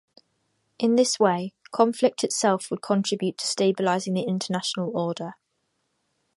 In this way, conflict itself would contribute to stabilizing the international order.